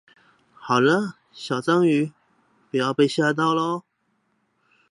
好了，小章魚，不要被嚇到了